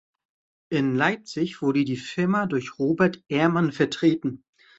In Leipzig wurde die Firma durch Robert Ehrmann vertreten.